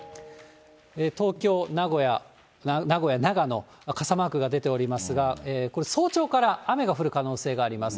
東京、名古屋、長野、傘マークが出ておりますが、これ、早朝から雨が降る可能性があります。